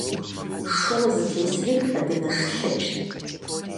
Шыуэ зытесри адыгэш лъэчт.